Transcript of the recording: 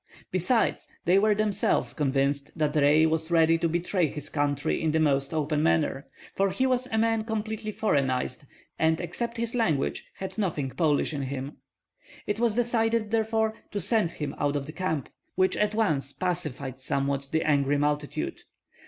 Besides, they were themselves convinced that Rei was ready to betray his country in the most open manner; for he was a man completely foreignized, and except his language had nothing Polish in him. It was decided therefore to send him out of the camp, which at once pacified somewhat the angry multitude.